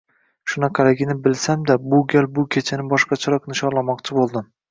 Shunaqaligini bilsam-da, bu gal bu kechani boshqachroq nishonlamoqchi bo`ldim